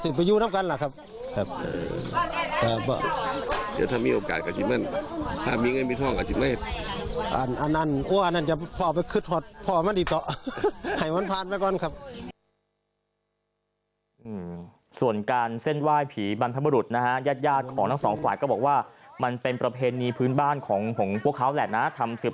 ลูกสาวลูกเคยก็เพิ่มกับสิทธิ์ประยุทธ์ทั้งกันแหละครับ